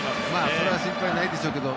それは心配ないんでしょうけど